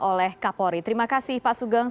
oleh kapolri terima kasih pak sugeng